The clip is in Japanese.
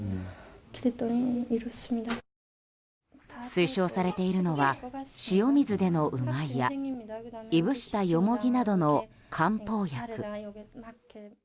推奨されているのは塩水でのうがいやいぶしたヨモギなどの漢方薬。